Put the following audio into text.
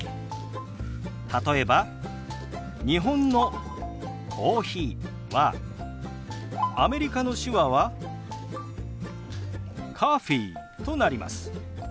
例えば日本の「コーヒー」はアメリカの手話は「ｃｏｆｆｅｅ」となります。